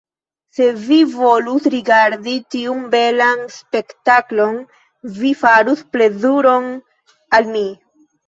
Se vi volus rigardi tiun belan spektaklon, vi farus plezuron al mi.